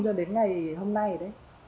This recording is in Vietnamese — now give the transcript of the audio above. cho đến ngày hôm nay đấy